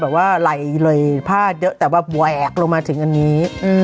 ว่าไหลเลยผ้าเยอะแต่ว่าแหวกลงมาถึงอันนี้